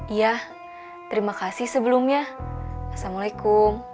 iya terima kasih sebelumnya assalamualaikum